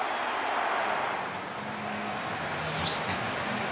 そして。